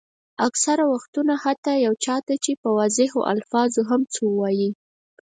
اکثره وختونه حتیٰ یو چا ته چې په واضحو الفاظو هم څه وایئ.